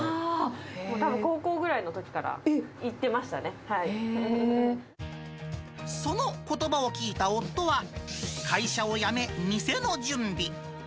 たぶん、高校ぐらいのときかそのことばを聞いた夫は、会社を辞め、店の準備。